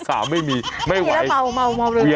สามไม่มีไม่ไหว